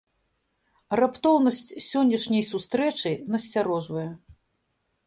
Раптоўнасць сённяшняй сустрэчы насцярожвае.